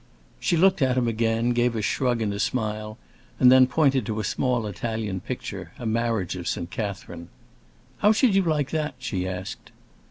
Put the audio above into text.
She looked at him again, gave a shrug and a smile, and then pointed to a small Italian picture, a Marriage of St. Catherine. "How should you like that?" she asked.